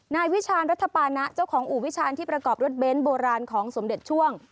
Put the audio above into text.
นายวิชาณรัฐปานะเจ้าของอู่วิชาณที่ประกอบรถเบนท์โบราณของสมเด็จช่วง